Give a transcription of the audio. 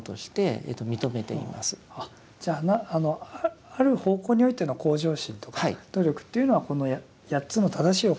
じゃあある方向においての向上心とか努力っていうのはこの八つの正しい行いの中に含まれている。